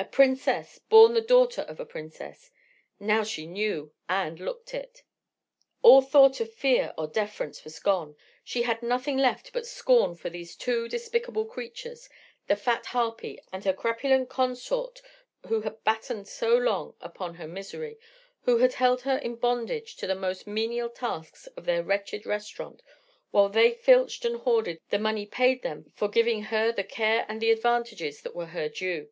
A princess, born the daughter of a princess, now she knew and looked it. All thought of fear or deference was gone, she had nothing left but scorn for these two despicable creatures, the fat harpy and her crapulent consort who had battened so long upon her misery, who had held her in bondage to the most menial tasks of their wretched restaurant while they filched and hoarded the money paid them for giving her the care and the advantages that were her due.